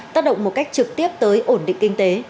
tác động một cách trực tiếp tới ổn định kinh tế